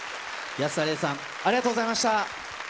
安田レイさん、ありがとうございました。